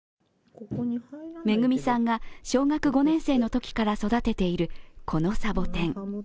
めぐみさんが小学５年生のときから育てているこのサボテン。